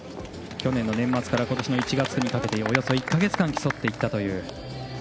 去年の年末から今年の１月にかけておよそ１か月間競っていったという。